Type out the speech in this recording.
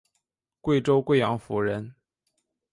贵州贵阳府人。